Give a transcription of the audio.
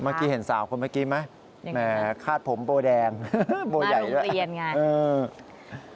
เมื่อกี้เห็นสาวคนเมื่อกี้ไหมคาดผมโบแดงโบใหญ่ด้วยอืม